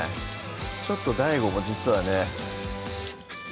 ちょっとＤＡＩＧＯも実はね